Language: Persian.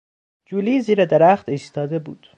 جولی زیر درخت ایستاده بود.